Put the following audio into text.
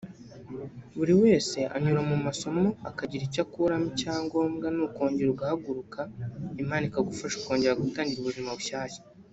buri wese anyura mu masomo akagira icyo akuramo icyangombwa ni ukongera guhaguruka Imana ikagufasha ukongera ugatangira ubuzima bushyashya